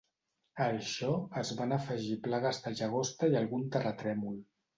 A això, es van afegir plagues de llagosta i algun terratrèmol.